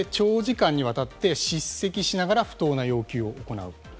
これで長時間にわたって叱責しながら不当な要求を行う。